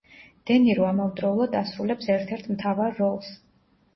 დე ნირო ამავდროულად ასრულებს ერთ-ერთ მთავარ როლს.